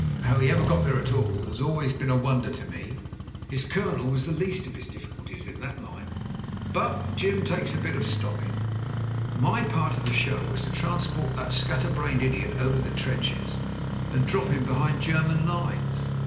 How he ever got there at all has always been a wonder to me : his Colonel was the least of his difficulties in that line. But Jim takes a bit of stop ping. "My part of the show was to transport that scat ter brained idiot over the trenches and drop him be hind the German lines.